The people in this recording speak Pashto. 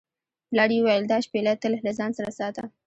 پلار یې وویل دا شپیلۍ تل له ځان سره ساته.